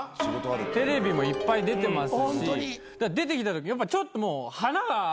テレビもいっぱい出てますし出てきたときやっぱちょっと華があるんですよ。